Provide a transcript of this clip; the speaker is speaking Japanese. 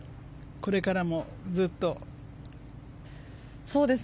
これからもずっと。